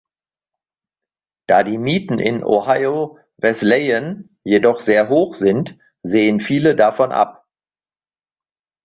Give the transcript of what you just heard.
Da die Mieten in Ohio Wesleyan jedoch sehr hoch sind, sehen viele davon ab.